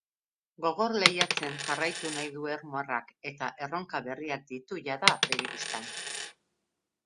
Gogor lehiatzen jarraitu nahi du ermuarrak eta erronka berriak ditu jada begi bistan.